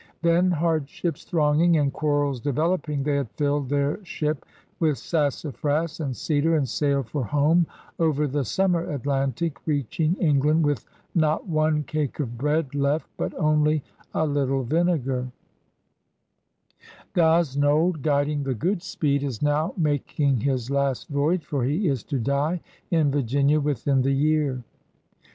Then, hardships thronging and quarrels developing, they had filled their ship with sassafras and cedar and sailed for home over the summer Atlantic, reaching England, with "not one cake of bread" left but only "a little vinegar/' Gosnold, guiding the Ooodspeed, THE ADVENTURERS 17 is now making hiis last voyage, for he is to die in Virginia within the year.